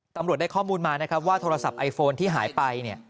ตำรวจได้ข้อมูลมานะครับว่าโทรศัพท์ไอโฟนที่หายไป